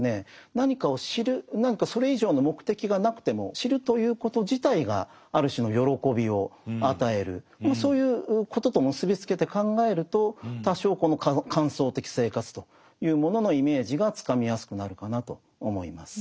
何かを知る何かそれ以上の目的がなくてもそういうことと結び付けて考えると多少この観想的生活というもののイメージがつかみやすくなるかなと思います。